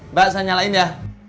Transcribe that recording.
mbak saya nyalain ya